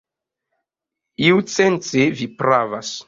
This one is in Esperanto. Iusence vi pravas.